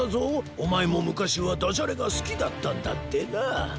おまえもむかしはだじゃれがすきだったんだってなあ。